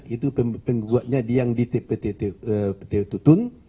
itu yang di pt tutun